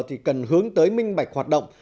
thì cần hướng tới minh bạch hoạt động